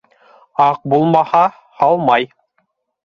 Аҡ булмаһа, һалмай.